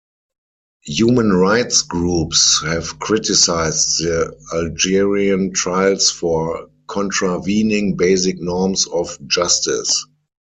Human rights groups have criticised the Algerian trials for contravening basic norms of justice.